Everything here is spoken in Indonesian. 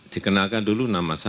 dikenalkan dulu nama saya